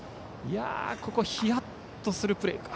ヒヤッとするプレーが。